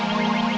gak usah paham om